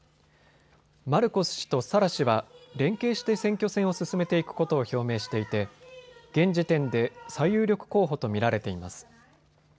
マルコス氏とサラ氏は連携して選挙戦を進めていくことを表明していて現時点で最有力候補と見られています。